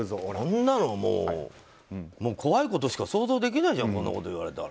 こんなの怖いことしか想像できないじゃん。